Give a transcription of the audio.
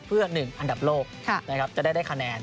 เพื่อ๑อันดับโลกนะครับจะได้ได้คะแนน